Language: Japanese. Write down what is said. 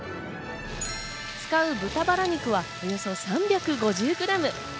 使う豚バラ肉はおよそ３５０グラム。